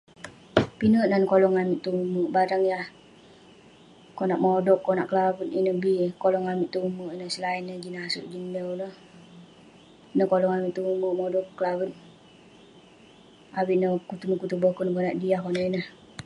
Pinek nan kolong amik tong umek, barang yah konak modoq, konak kelavet ineh bi, kolong amik tong umek ineh selain neh jin aseuk jin mew ineh. Neh kolong amik tong umek, modoq, kelavet, avik neh kutun-kutun boken konak diah konak ineh.